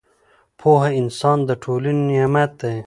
پوه انسان د ټولنې نعمت دی